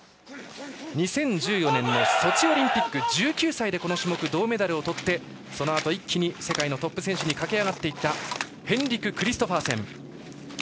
２０１４年のソチオリンピック１９歳で、この種目銅メダルをとってそのあと一気に世界トップ選手に駆け上がっていったヘンリク・クリストファーセン。